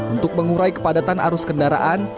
untuk mengurai kepadatan arus kendaraan